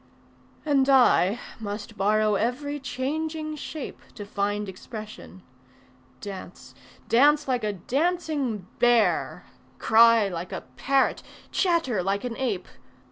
And I must borrow every changing shape To find expression... dance, dance Like a dancing bear, Cry like a parrot, chatter like an ape.